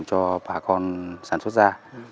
cho bà con sản xuất ra